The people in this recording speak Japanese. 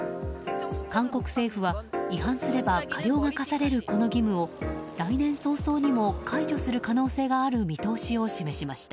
韓国政府は違反すれば過料が科されるこの義務を、来年早々にも解除する可能性がある見通しを示しました。